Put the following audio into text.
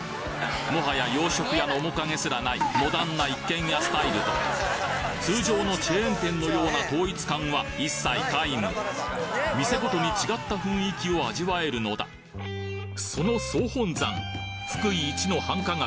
もはや洋食屋の面影すらないモダンな通常のチェーン店のような統一感は一切皆無店ごとに違った雰囲気を味わえるのだその総本山福井一の繁華街